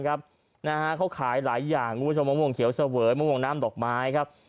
เขาขายหลายอย่างมะม่วงเขียวเสว๋ยมะม่วงน้ำดอกไม้